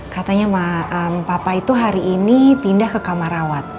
katanya papa itu hari ini pindah ke kamar rawat